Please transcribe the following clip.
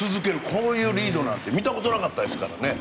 こういうリード見たことなかったですから。